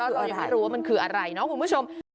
เรายังไม่รู้ว่ามันคืออะไรเนาะคุณผู้ชม